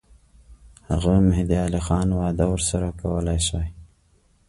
هغه مهدي علي خان وعده ورسره کولای سوای.